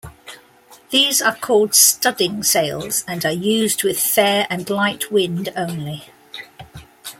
These are called studding sails, and are used with fair and light wind only.